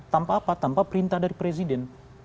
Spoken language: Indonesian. tanpa apa tanpa perintah dari presiden